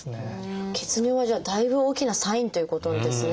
血尿はじゃあだいぶ大きなサインということですね。